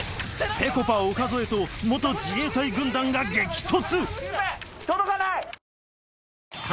ぺこぱ岡副と自衛隊軍団が激突！